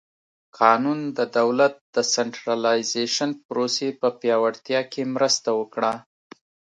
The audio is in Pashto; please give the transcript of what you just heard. قانون د دولت د سنټرالیزېشن پروسې په پیاوړتیا کې مرسته وکړه.